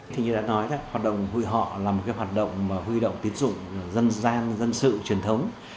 thì như đã nói hoạt động ngụy họ là một hoạt động huy động tiến dụng dân dân dân sự truyền thống